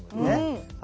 うん。